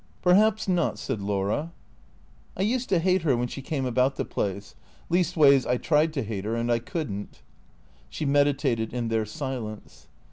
" Perhaps not," said Laura. " I used to hate her when she came about the place. Least ways I tried to hate her, and I could n't." She meditated in their silence.